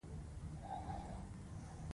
دوو کسانو لاس تړلی ځوان راووست غوږونه یې تور وو.